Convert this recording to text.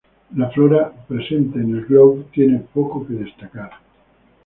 La flora presente en El Grove tiene poco que destacar.